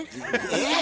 えっ！？